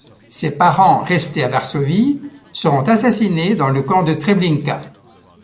Ses parents, restés à Varsovie, seront assassinés dans le camp de Treblinka.